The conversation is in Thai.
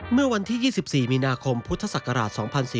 เมื่อวันที่๒๔มีนาคมพุทธศักราช๒๔๙